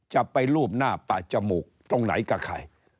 จะไปรูปหน้าปะจมูกตรงไหนกับใคร